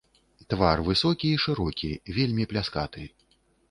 Твар высокі і шырокі, вельмі пляскаты.